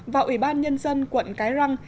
và ủy ban nhân dân quận cái răng